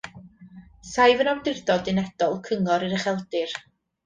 Saif yn Awdurdod Unedol Cyngor yr Ucheldir.